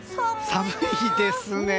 寒いですね。